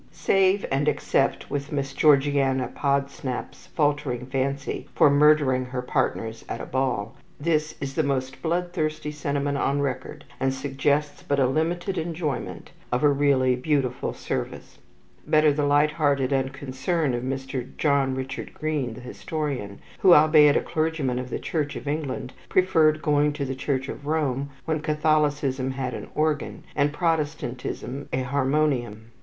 Save and except Miss Georgiana Podsnap's faltering fancy for murdering her partners at a ball, this is the most bloodthirsty sentiment on record, and suggests but a limited enjoyment of a really beautiful service. Better the light hearted unconcern of Mr. John Richard Green, the historian, who, albeit a clergyman of the Church of England, preferred going to the Church of Rome when Catholicism had an organ, and Protestantism, a harmonium.